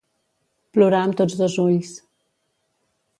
Plorar amb tots dos ulls.